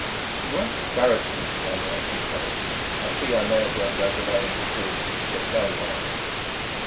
"You are discouraging!" Lanyard complained. "I see I may as well go below and be good. It's a dull life."